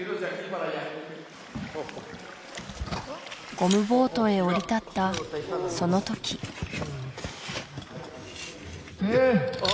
ゴムボートへ降り立ったその時あ